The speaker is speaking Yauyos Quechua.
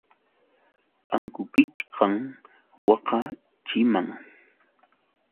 Ankukichkam waqaachiman.